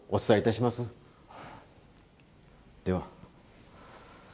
では。